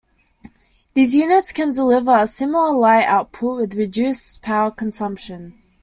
These units can deliver a similar light output with reduced power consumption.